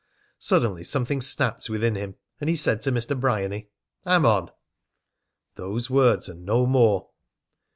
Suddenly something snapped within him, and he said to Mr. Bryany: "I'm on!" Those words and no more!